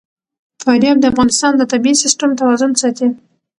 فاریاب د افغانستان د طبعي سیسټم توازن ساتي.